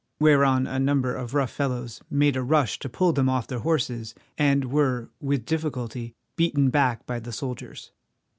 whereon a number of rough fellows made a rush to pull them off their horses, and were with difficulty beaten back by the soldiers.